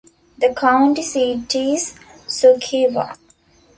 The county seat is Suceava.